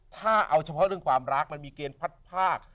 ถ้าเอาเฉพาะเรื่องความรักมันมีเกณฑ์พัดภาค